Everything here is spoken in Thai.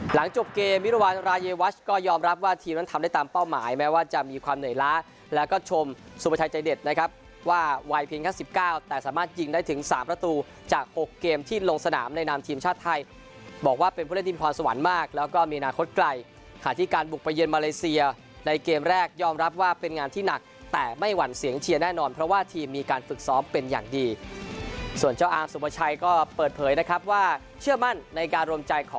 หลังจบเกมวิรวารรายวัชก็ยอมรับว่าทีมนั้นทำได้ตามเป้าหมายแม้ว่าจะมีความเหนื่อยล้าแล้วก็ชมสุมประชายใจเด็ดนะครับว่าวายเพลงขั้น๑๙แต่สามารถยิงได้ถึง๓ประตูจาก๖เกมที่ลงสนามในนามทีมชาติไทยบอกว่าเป็นผู้เล่นทีมทรมานสวรรค์มากแล้วก็มีนานคดไกลค่ะที่การบุกประเย็นมาเลเซียในเกมแรกยอ